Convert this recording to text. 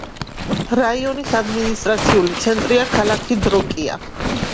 რაიონის ადმინისტრაციული ცენტრია ქალაქი დროკია.